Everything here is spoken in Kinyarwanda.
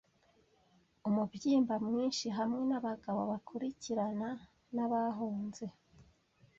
Umubyimba mwinshi hamwe nabagabo bakurikirana nabahunze,